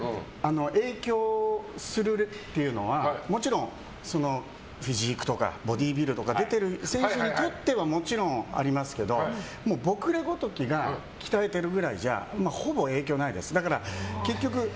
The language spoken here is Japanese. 影響するというのはフィジークとかボディービルとかに出てる選手っていうのはもちろんありますけど僕らごときが鍛えてるくらいじゃほぼ影響はないです。